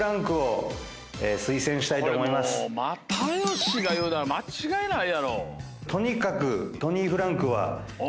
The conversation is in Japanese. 又吉が言うなら間違いないやろ。